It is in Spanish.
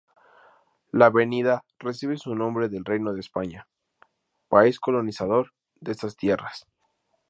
La Avenida recibe su nombre del Reino de España, país colonizador de estas tierras.